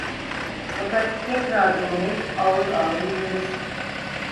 Fakat tekrar dönerek ağır ağır yürür.